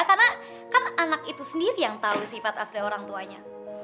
karena kan anak itu sendiri yang tau sifat asli orang tuanya